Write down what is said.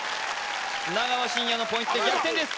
砂川信哉のポイントで逆転です